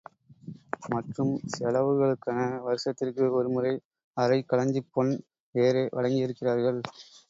மற்றும் செலவுகளுக்கென வருஷத்திற்கு ஒரு முறை, அரைக் களஞ்சிப் பொன் வேறே வழங்கியிருக்கிறார்கள்.